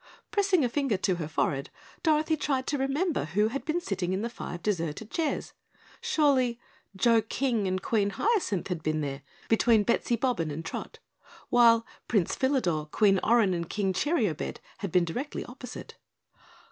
Pressing a finger to her forehead, Dorothy tried to remember who had been sitting in the five deserted chairs. Surely Joe King and Queen Hyacinth had been there between Bettsy Bobbin and Trot, while Prince Philador, Queen Orin and King Cheeriobed had been directly opposite.